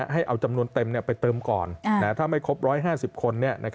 ให้เอาจำนวนเต็มไปเติมก่อนถ้าไม่ครบ๑๕๐คน